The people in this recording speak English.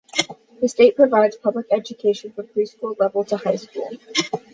The state provides public education from preschool level to high school.